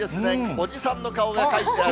おじさんの顔が描いてある。